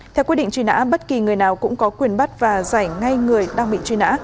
theo quyết định truy nã bất kỳ người nào cũng có quyền bắt và giải ngay người đang bị truy nã